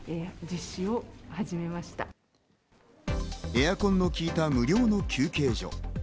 エアコンの効いた無料の休憩所。